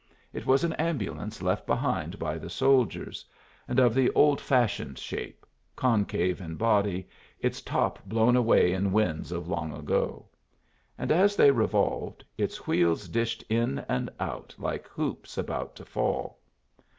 It was an ambulance left behind by the soldiers, and of the old fashioned shape, concave in body, its top blown away in winds of long ago; and as they revolved, its wheels dished in and out like hoops about to fall.